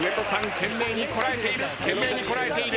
懸命にこらえている。